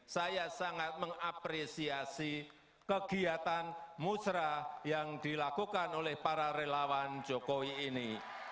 saya sangat mengapresiasi kegiatan musrah yang dilakukan oleh para relawan jokowi ini